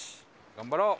頑張ろう！